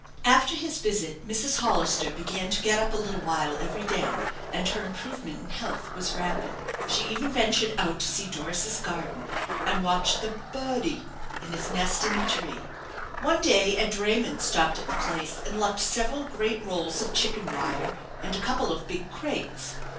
5 ' After his visit Mrs. Hollister began to get up a little while every day, and her improvement in health was rapid. She even ventured out to see Doris's garden and watch the "budie" in his nest in the tree. One day a drayman stopped at the place and left several great rolls of chicken wire, and a couple of big crates.